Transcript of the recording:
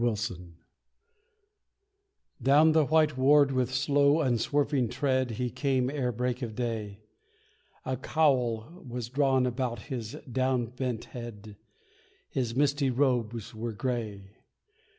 THE ANGEL Down the white ward with slow, unswerving tread He came ere break of day A cowl was drawn about his down bent head, His misty robes were grey.